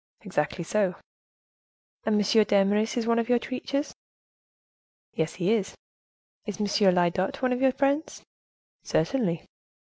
"Exactly so." "And is M. d'Eymeris one of your creatures?" "Yes, he is." "Is M. Lyodot one of your friends?" "Certainly."